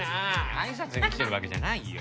あいさつに来てるわけじゃないよ。